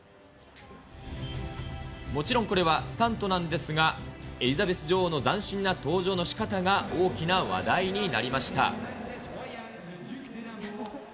もちろんこれはスタントなんですが、エリザベス女王の斬新な登場のしかたが大きな話題になりました。